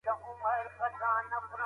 پاملرنه به زیاته سي.